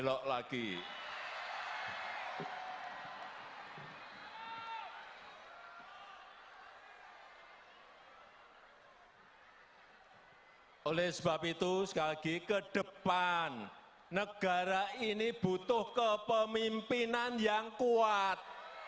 oleh sebab itu sekali lagi ke depan negara ini butuh kepemimpinan yang kuat